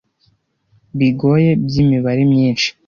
bigoye byimibare myinshi